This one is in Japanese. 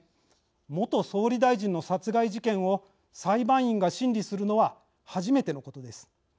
元総理大臣の殺害事件を裁判員が審理するのは初めてのことです。